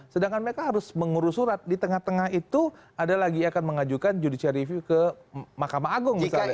sedangkan mereka harus mengurus surat di tengah tengah itu ada lagi akan mengajukan judicial review ke mahkamah agung misalnya